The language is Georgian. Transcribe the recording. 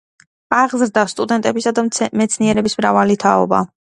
აღზარდა სტუდენტებისა და მეცნიერების მრავალი თაობა.